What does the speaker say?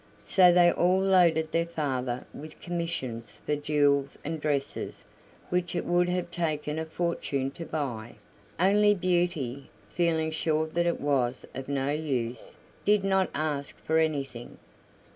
So they all loaded their father with commissions for jewels and dresses which it would have taken a fortune to buy; only Beauty, feeling sure that it was of no use, did not ask for anything.